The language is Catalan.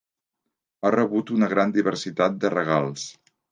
Ha rebut una gran diversitat de regals.